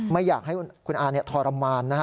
ไม่อยากให้คุณอาทรมานนะฮะ